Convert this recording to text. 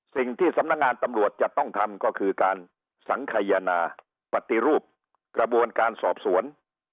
สิ่งที่สำนักงานตำรวจจะต้องทำก็คือการสังขยนาปฏิรูปกระบวนการสอบสวน